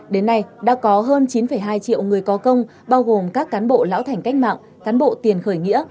đến nay đã có hơn chín hai triệu người có công bao gồm các cán bộ lão thành cách mạng cán bộ tiền khởi nghĩa